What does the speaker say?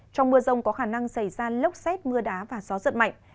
trong mưa rông có khả năng xảy ra lốc xét mưa đá và gió giật mạnh